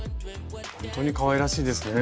ほんとにかわいらしいですね。